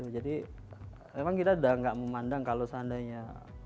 jadi memang kita sudah tidak memandang kalau seandainya